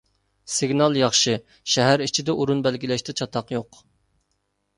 سىگنال ياخشى شەھەر ئىچىدە ئورۇن بەلگىلەشتە چاتاق يوق.